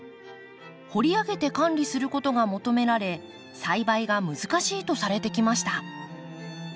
掘り上げて管理することが求められ栽培が難しいとされてきました。